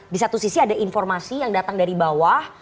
di satu sisi ada informasi yang datang dari bawah